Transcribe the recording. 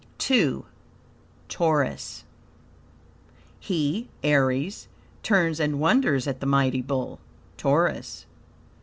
II. Taurus "He (Aries) turns and wonders at the mighty Bull (Taurus)."